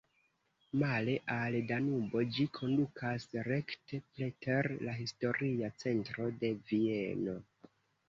Male al Danubo, ĝi kondukas rekte preter la historia centro de Vieno.